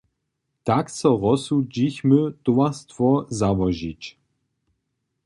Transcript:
Tak so rozsudźichmy towarstwo załožić.